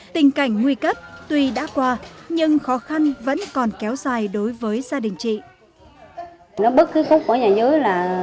tình cảnh nguy cấp tuy đã qua nhưng khó khăn vẫn còn kéo dài đối với gia đình chị